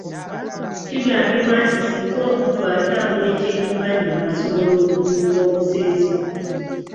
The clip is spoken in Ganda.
Kigambibwa nti singa omuntu atambula ekyennyumannyuma asobola okufuuka omusezi.